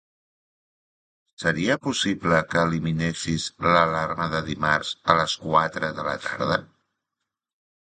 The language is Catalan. Seria possible que eliminessis l'alarma de dimarts a les quatre de la tarda?